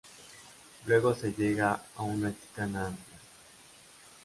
Luego se llega a una chicana amplia.